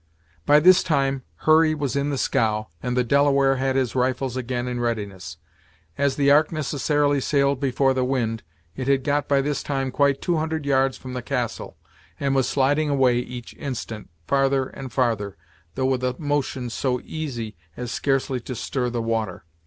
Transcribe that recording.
By this time Hurry was in the scow, and the Delaware had his rifles again in readiness. As the Ark necessarily sailed before the wind, it had got by this time quite two hundred yards from the castle, and was sliding away each instant, farther and farther, though with a motion so easy as scarcely to stir the water.